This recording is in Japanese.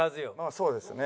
そうですね。